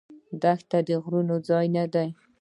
دښته د غرور ځای نه دی.